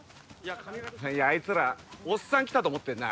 あいつらおっさん来たと思ってんな